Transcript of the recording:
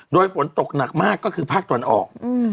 โดยฝนตกหนักมากก็คือภาคตะวันออก